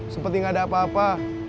seperti nggak ada apa apa